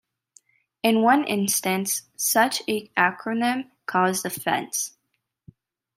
In one instance, such an acronym caused offense.